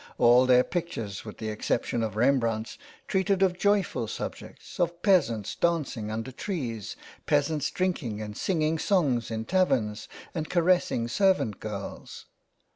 All their pictures with the exception of Rembrandt's treated of joyful subjects, of peasants dancing under trees, peasants drinking and singing songs in taverns, and caressing servant girls.